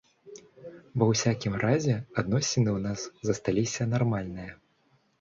Ва ўсякім разе адносіны ў нас засталіся нармальныя.